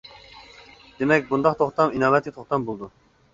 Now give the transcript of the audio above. دېمەك بۇنداق توختام ئىناۋەتلىك توختام بولىدۇ.